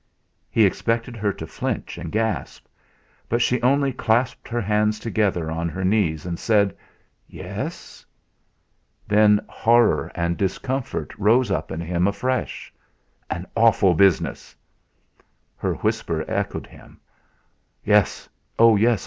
He expected her to flinch and gasp; but she only clasped her hands together on her knees, and said: "Yes?" Then horror and discomfort rose up in him, afresh. "An awful business!" Her whisper echoed him: "Yes, oh! yes!